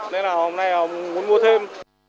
nên là hôm nay họ muốn mua thêm